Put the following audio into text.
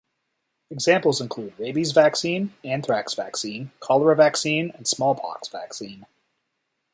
Examples include rabies vaccine, anthrax vaccine, cholera vaccine and smallpox vaccine.